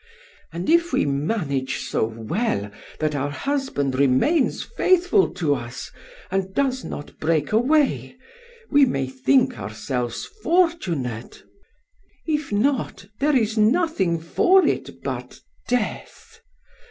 And if we manage so well that our husband remains faithful to us, and does not break away, we may think ourselves fortunate; if not, there is nothing for it but death.